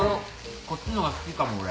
こっちのほうが好きかも俺。